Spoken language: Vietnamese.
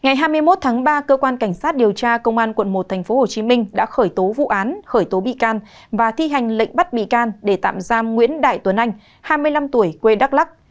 ngày hai mươi một tháng ba cơ quan cảnh sát điều tra công an quận một tp hcm đã khởi tố vụ án khởi tố bị can và thi hành lệnh bắt bị can để tạm giam nguyễn đại tuấn anh hai mươi năm tuổi quê đắk lắc